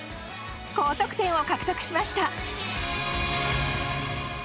高得点を獲得しました。